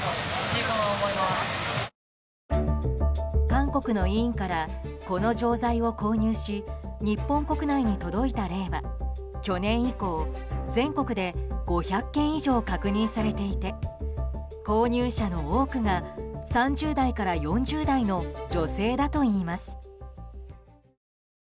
韓国の医院からこの錠剤を購入し日本国内に届いた例は去年以降全国で５００件以上確認されていて購入者の多くが３０代から４０代の女性だといいます。